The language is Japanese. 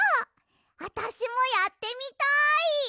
わたしもやってみたい！